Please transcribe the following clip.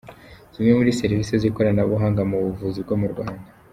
Zimwe muri serivisi z’ikoranabuhanga mu buvuzi bwo mu Rwanda.